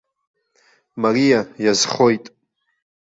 Мариа, иазхоит!